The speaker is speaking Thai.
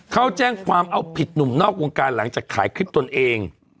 เขาแจ้งความเอาผิดหนุ่มนอกวงการหลังจากขายคลิปตนเอง